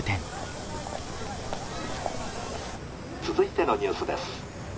「続いてのニュースです。